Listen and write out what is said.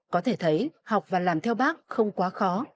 có thể thấy học và làm theo bác không quá khó